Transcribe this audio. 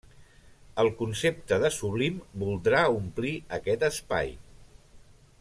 El concepte de sublim voldrà omplir aquest espai.